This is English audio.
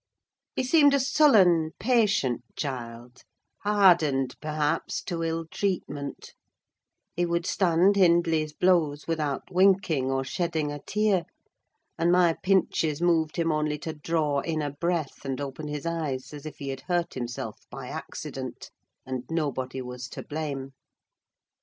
He seemed a sullen, patient child; hardened, perhaps, to ill treatment: he would stand Hindley's blows without winking or shedding a tear, and my pinches moved him only to draw in a breath and open his eyes, as if he had hurt himself by accident, and nobody was to blame.